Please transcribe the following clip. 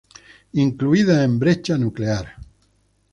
Incluida en "Brecha nuclear".